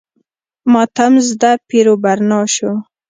ماتم زده پیر و برنا شو.